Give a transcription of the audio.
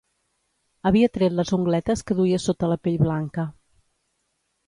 Havia tret les ungletes que duia sota la pell blanca